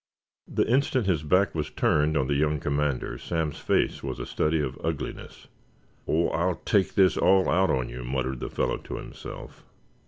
The instant his back was turned on the young commander Sam's face was a study in ugliness. "Oh, I'll take this all out of you," muttered the fellow to himself.